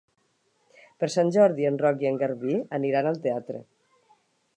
Per Sant Jordi en Roc i en Garbí aniran al teatre.